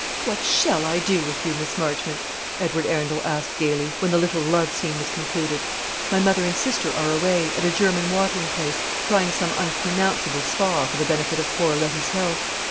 "What shall I do with you, Miss Marchmont?" Edward Arundel asked gaily, when the little love scene was concluded. "My mother and sister are away, at a German watering place, trying some unpronounceable Spa for the benefit of poor Letty's health.